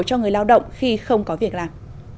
cho người lao động khi không có việc làm